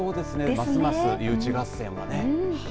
ますます誘致合戦がね。